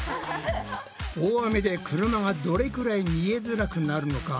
大雨で車がどれくらい見えづらくなるのか